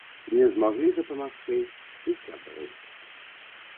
Не змаглі дапамагчы і сябры.